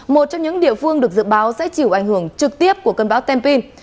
một trong những địa phương được dự báo sẽ chịu ảnh hưởng trực tiếp của cân báo tempin